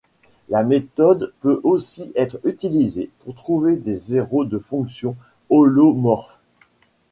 La méthode peut aussi être utilisée pour trouver des zéros de fonctions holomorphes.